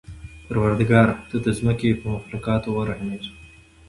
پروردګاره! ته د ځمکې په مخلوقاتو ورحمېږه.